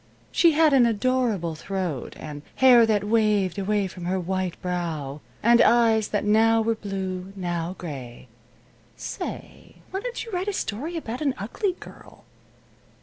She had an 'adorable throat' and hair that 'waved away from her white brow,' and eyes that 'now were blue and now gray.' Say, why don't you write a story about an ugly girl?"